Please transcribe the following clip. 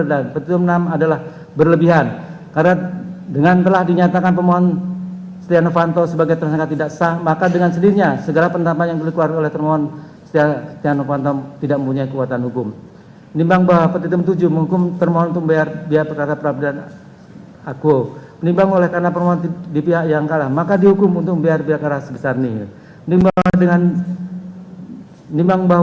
dan memperoleh informasi yang benar jujur tidak diskriminasi tentang kinerja komisi pemberantasan korupsi harus dipertanggungjawab